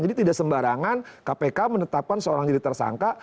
jadi tidak sembarangan kpk menetapkan seorang jadi tersangka